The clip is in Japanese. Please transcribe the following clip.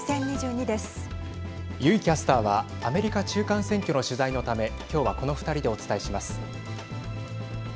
油井キャスターはアメリカ中間選挙の取材のため今日はこの２人でお伝えします。